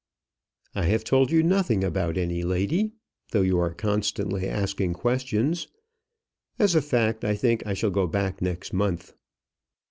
"I have told you nothing about any lady, though you are constantly asking questions. As a fact, I think I shall go back next month."